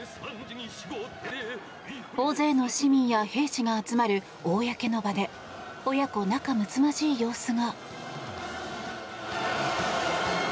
大勢の市民や兵士が集まる公の場で親子仲むつまじい様子が。